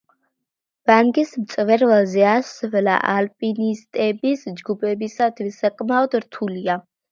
ბანგის მწვერვალზე ასვლა ალპინისტების ჯგუფებისათვის საკმაოდ რთულია.